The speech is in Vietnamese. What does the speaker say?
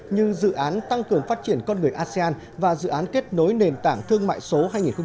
như dự án tăng cường phát triển con người asean và dự án kết nối nền tảng thương mại số hai nghìn hai mươi